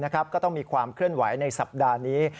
ก็ต้องมีความเคลื่อนไหวในสัปดาห์นี้